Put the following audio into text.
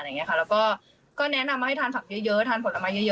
แล้วก็แนะนำมาให้ทานผักเยอะทานผลไม้เยอะ